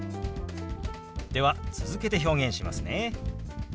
では続けて表現しますね。